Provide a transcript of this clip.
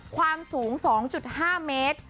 ความสูง๒๕เมตร